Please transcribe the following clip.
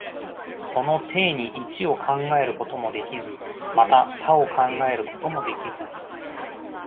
その底に一を考えることもできず、また多を考えることもできず、